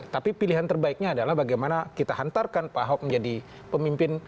tapi pilihan terbaiknya adalah bagaimana kita hantarkan pak ahok menjadi pemimpin